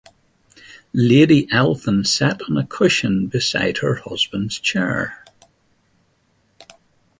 Lady Elphin sat on a cushion beside her husband's chair.